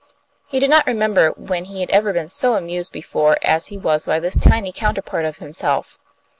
He did not remember when he had ever been so amused before as he was by this tiny counterpart of himself.